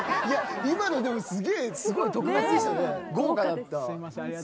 いや今のでもすごい特別でした。